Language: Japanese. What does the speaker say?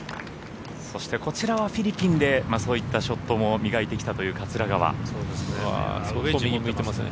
そして、こちらはフィリピンでそういったショットも磨いてきたという桂川。